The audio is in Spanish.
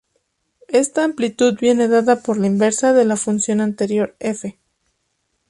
Esta "amplitud" viene dada por la inversa de la función anterior "F".